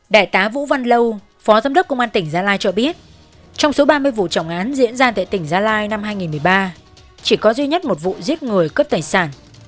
đại tá vũ văn lâu phó giám đốc công an tỉnh gia lai cho biết trong số ba mươi vụ trọng án diễn ra tại tỉnh gia lai năm hai nghìn một mươi ba chỉ có duy nhất một vụ giết người cướp tài sản